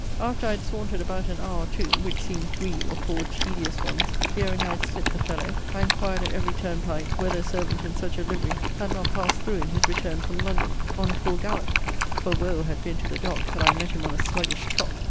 After I had sauntered about an hour or two, (which seemed three or four tedious ones,) fearing I had slipt the fellow, I inquired at every turnpike, whether a servant in such a livery had not passed through in his return from London, on a full gallop; for woe had been to the dog, had I met him on a sluggish trot!